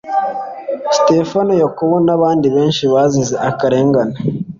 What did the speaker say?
Sitefano, Yakobo n'abandi benshi bazize akarengane.